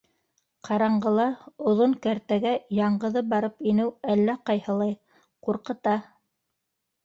Ҡараңғыла оҙон кәртәгә яңғыҙы барып инеү әллә ҡайһылай, ҡурҡыта.